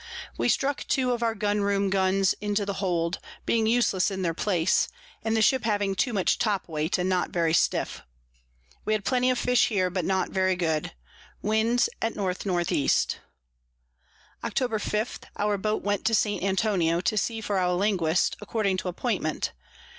We struck two of our Gun room Guns into the Hold, being useless in their place, and the Ship having too much top weight, and not very stiff. We had plenty of Fish here, but not very good. Wind at N N E. Octob. 5. Our Boat went to St. Antonio to see for our Linguist, according to appointment.